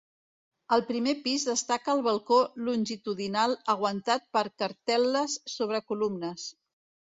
Al primer pis destaca el balcó longitudinal aguantat per cartel·les sobre columnes.